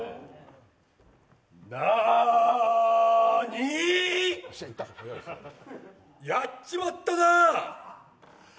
なーにーやっちまったなー。